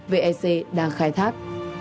vec đang khai thác